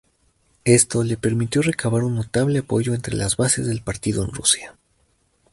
Esto le permitió recabar un notable apoyo entre las bases del partido en Rusia.